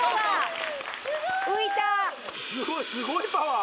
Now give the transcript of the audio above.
すごいすごいパワー